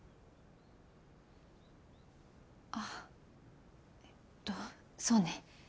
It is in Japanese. あっえっとそうね。